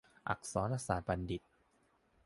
อักษรศาสตรบัณฑิต